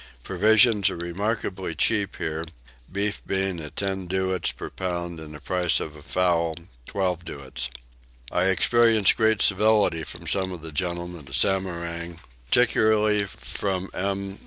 Provisions are remarkably cheap here, beef being at ten doits per pound and the price of a fowl 12 doits. I experienced great civility from some of the gentlemen at Samarang, particularly from M.